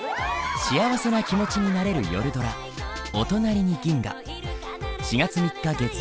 幸せな気持ちになれる夜ドラ「おとなりに銀河」。